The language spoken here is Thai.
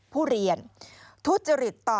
ผู้เรียนทุจริตต่อ